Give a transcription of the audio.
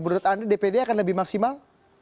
menurut anda dpd akan lebih maksimal